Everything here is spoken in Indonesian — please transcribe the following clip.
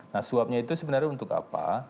nah suapnya itu sebenarnya untuk apa